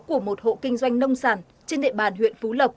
của một hộ kinh doanh nông sản trên địa bàn huyện phú lộc